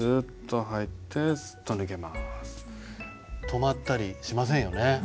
止まったりしませんよね。